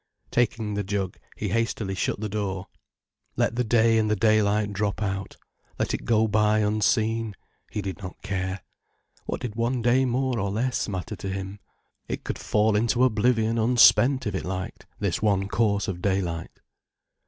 Taking the jug, he hastily shut the door. Let the day and the daylight drop out, let it go by unseen. He did not care. What did one day more or less matter to him. It could fall into oblivion unspent if it liked, this one course of daylight.